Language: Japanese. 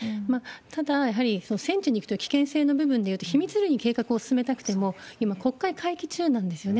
ただ、やはり戦地に行くという危険性の部分でいうと、秘密裏に計画を進めたくても、今、国会会期中なんですよね。